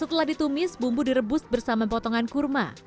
setelah ditumis bumbu direbus bersama potongan kurma